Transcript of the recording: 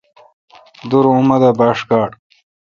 دور اوں با ݭ گاڑ۔